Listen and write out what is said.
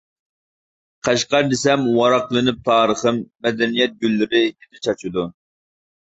«قەشقەر» دېسەم، ۋاراقلىنىپ تارىخىم، مەدەنىيەت گۈللىرى ھىد چاچىدۇ.